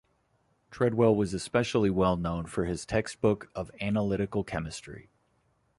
Treadwell was especially well known for his textbook of analytical chemistry.